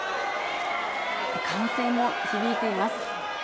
歓声も響いています。